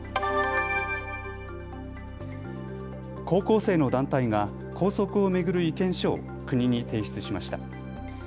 高校生の団体が校則を巡る意見書を国に提出しました。